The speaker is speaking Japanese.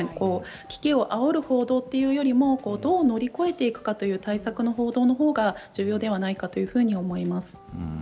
危機をあおる報道というよりもどう乗り越えていくかという対策の報道のほうが重要ではないかと思います。